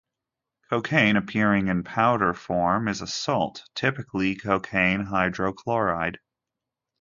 Cocaine appearing in powder form is a salt, typically cocaine hydrochloride.